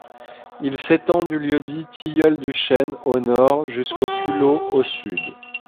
Il s’étend du lieu-dit Tilleul Duchêne au nord jusqu’au Culot au sud.